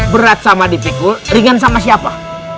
berat sama dipikul ringan sama siapa